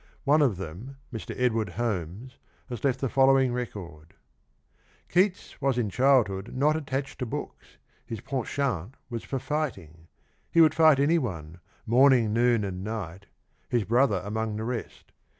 One of them, Mr. Edward Holmes, has left the following record :" Keats was in childhood not attached to books. His f enchant was for fighting. He would fight anyone — morning, noon and night — his brother among the rest.